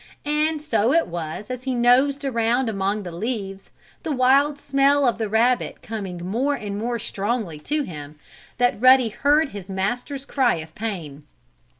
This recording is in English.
And so it was as he nosed around among the leaves, the wild smell of the rabbit coming more and more strongly to him, that Ruddy heard his master's cry of pain.